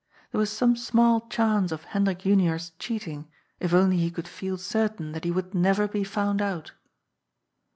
There was some small chance of Hendrik Junior's cheat ing, if only he could feel certain that he would never be found out.